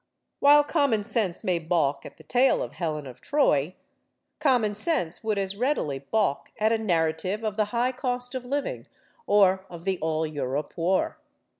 While common sense may balk at the tale of Helen of Troy, common sense would as readily balk at a narrative of the high cost of living or of the All Europe War.